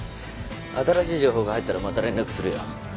新しい情報が入ったらまた連絡するよ。